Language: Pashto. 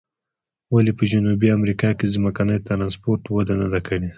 ولې په جنوبي امریکا کې ځمکني ترانسپورت وده نه ده کړې؟